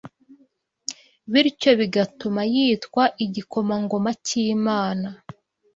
bityo bigatuma yitwa “igikomangoma cy’Imana.”